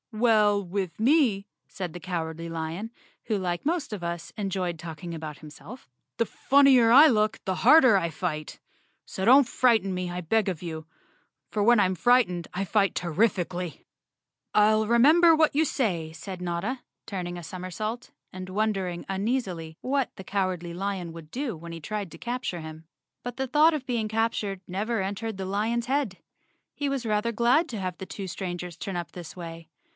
"Well, with me," said the Cowardly Lion, who like most of us enjoyed talking about himself, "the funnier I look, the harder I fight. So don't frighten me, I beg of you, for when I'm frightened I fight terrifically." "I'll remember what you say," said Notta, turning a somersault, and wondering uneasily what the Cow¬ ardly Lion would do when he tried to capture him. 123 The Cowardly Lion of Oz _ But the thought of being captured never entered the lion's head. He was rather glad to have the two strangers turn up this way.